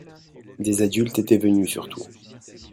des adultes étaient venus surtout.